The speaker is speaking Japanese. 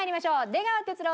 出川哲朗